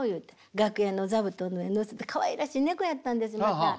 楽屋の座布団の上のせてかわいらしい猫やったんですまた。